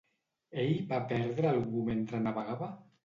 Ell va perdre a algú mentre navegava?